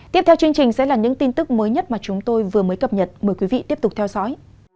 tiếp theo chương trình sẽ là những tin tức mới nhất mà chúng tôi vừa mới cập nhật mời quý vị tiếp tục theo dõi